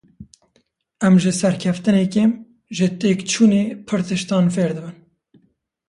Em ji serkeftînê kêm, ji têkçûnê pir tiştan fêr dibin.